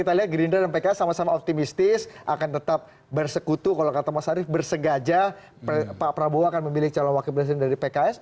kita lihat gerindra dan pks sama sama optimistis akan tetap bersekutu kalau kata mas arief bersegaja pak prabowo akan memilih calon wakil presiden dari pks